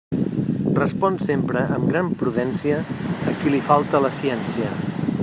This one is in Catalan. Respon sempre amb gran prudència a qui li falta la ciència.